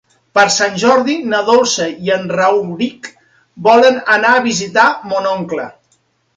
Per Sant Jordi na Dolça i en Rauric volen anar a visitar mon oncle.